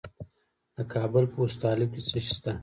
د کابل په استالف کې څه شی شته؟